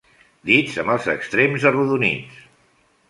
Dits amb els extrems arrodonits.